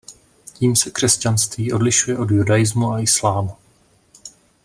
Tím se křesťanství odlišuje od judaismu a islámu.